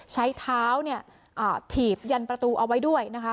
ใช้เท้าเนี่ยถีบยันประตูเอาไว้ด้วยนะคะ